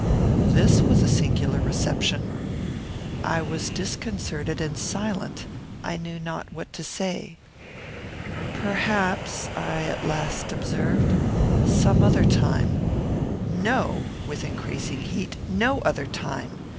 This was a singular reception. I was disconcerted and silent. I knew not what to say. "Perhaps," I at last observed, "some other time " "No," (with increasing heat,) "no other time.